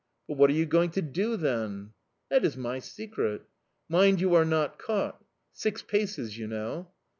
"But what are you going to do, then?" "That is my secret." "Mind you are not caught... six paces, you know!"